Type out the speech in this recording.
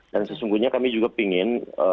dan sesungguhnya kami juga ingin